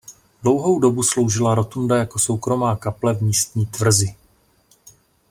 Dlouhou dobu sloužila rotunda jako soukromá kaple v místní tvrzi.